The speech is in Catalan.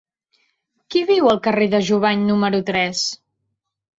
Qui viu al carrer de Jubany número tres?